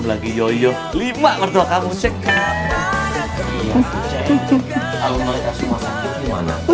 nenek juga sayang sama nenek